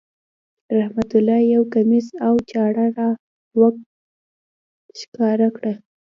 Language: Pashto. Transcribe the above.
رحمت الله یو کمیس او چاړه را وښکاره کړه.